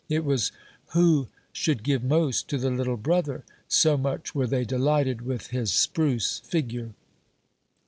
It was who should give most to the little brother ! so much were they delighted with his spruce figure.